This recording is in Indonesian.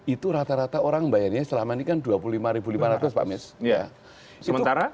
itu rata rata orang bayarnya selama ini kan dua puluh lima lima ratus pak mis